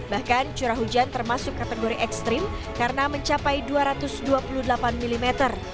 bahkan curah hujan termasuk kategori ekstrim karena mencapai dua ratus dua puluh delapan mm